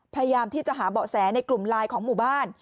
พยายามที่จะหาเบาะแสในกลุ่มไลน์ของหมู่บ้าน